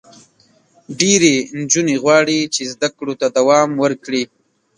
ډېری نجونې غواړي چې زده کړو ته دوام ورکړي.